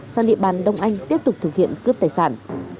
sang địa bàn đông anh tiếp tục thực hiện cướp tài sản